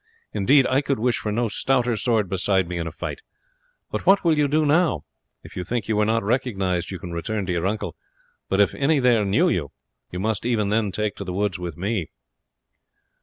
Indeed I could wish for no stouter sword beside me in a fight; but what will you do now? If you think that you were not recognized you can return to your uncle; but if any there knew you, you must even then take to the woods with me."